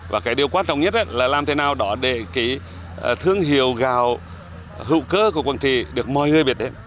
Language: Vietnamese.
và điều quan trọng nhất là làm thế nào để thương hiệu gạo hữu cơ của quảng trị được mọi người biết đến